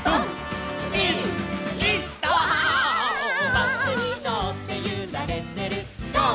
「バスにのってゆられてるゴー！